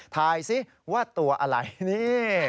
ถ่ายสิว่าตัวอะไรนี่